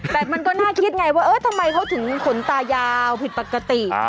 แต่มันก็น่าคิดไงว่าเออทำไมเขาถึงขนตายาวผิดปกติ